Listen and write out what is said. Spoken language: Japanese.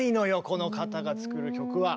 この方が作る曲は。